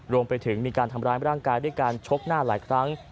รวมไปถึงมีการทำร้ายร่างกายด้วยการชกหน้าหลายครั้ง